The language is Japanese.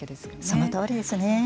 そのとおりですね。